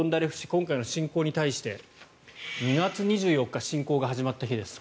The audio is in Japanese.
今回の侵攻に対して２月２４日侵攻が始まった日です。